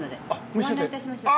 ご案内致しましょうか？